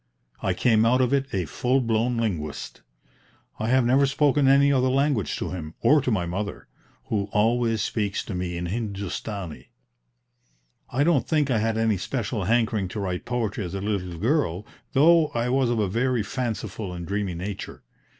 I came out of it a full blown linguist. I have never spoken any other language to him, or to my mother, who always speaks to me in Hindustani. I don't think I had any special hankering to write poetry as a little child, though I was of a very fanciful and dreamy nature.